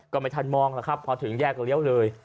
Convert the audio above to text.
ก็ไม่ทันมองแล้วครับพอถึงแยกเลี้ยวเลย